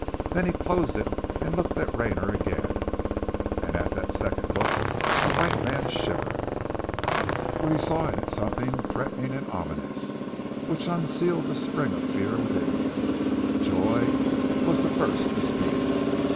Then he closed it and looked at Rayner again, and at that second look the white man shivered, for in it he saw something threatening and ominous, which unsealed the springs of fear within him. Joy was the first to speak.